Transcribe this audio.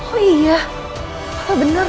oh iya oh benar